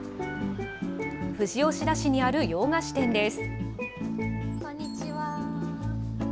富士吉田市にある洋菓子店です。